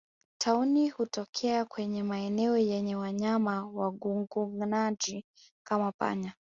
Tauni hutokea kwenye maeneo yenye wanyama wagugunaji kama panya